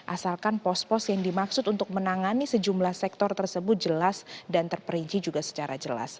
asalkan pos pos yang dimaksud untuk menangani sejumlah sektor tersebut jelas dan terperinci juga secara jelas